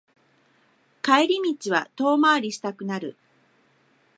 帰り道は遠回りしたくなる